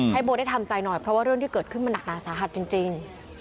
โบได้ทำใจหน่อยเพราะว่าเรื่องที่เกิดขึ้นมันหนักหนาสาหัสจริง